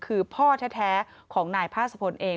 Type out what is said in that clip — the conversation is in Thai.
คือพ่อแท้ของหน่ายภาษภนธรรมเอง